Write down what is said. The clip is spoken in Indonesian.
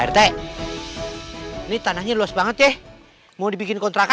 ini tanahnya luas banget sih mau dibikin kontrak aja